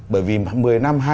bởi vì một mươi năm